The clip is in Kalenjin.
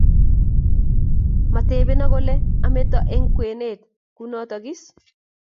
Metepeno kole ameto eng kwenet, kunatok is?